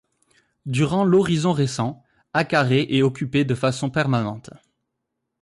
Durant l'Horizon récent, Acaray est occupée de façon permanente.